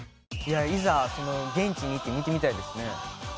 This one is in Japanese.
いざその現地に行って見てみたいですね。